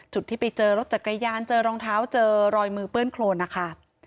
ที่ไปเจอรถจักรยานเจอรองเท้าเจอรอยมือเปื้อนโครนนะคะ